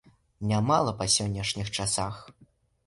Нямала па сённяшніх часах.